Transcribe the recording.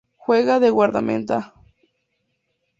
Juega de guardameta.